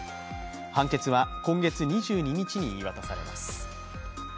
判決は今月２２日に言い渡されます。